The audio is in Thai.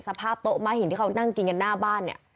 สภาพโต๊ะม้าหินที่เขานั่งกินกันหน้าบ้านเนี่ย